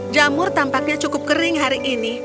jamur tampaknya cukup kering hari ini